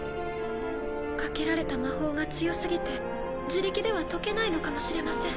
かけられた魔法が強すぎて自力では解けないのかもしれません。